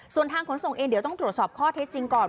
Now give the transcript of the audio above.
ส่วนทางขนส่งเองเดี๋ยวต้องตรวจสอบข้อเท็จจริงก่อน